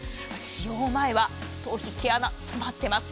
使用前は頭皮、毛穴、詰まっています。